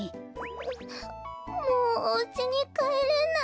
もうおうちにかえれない。